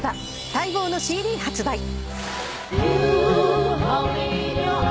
待望のＣＤ発売。